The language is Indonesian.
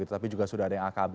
tapi juga sudah ada yang akb